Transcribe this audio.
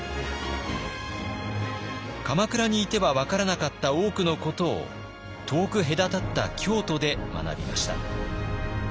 鎌倉にいては分からなかった多くのことを遠く隔たった京都で学びました。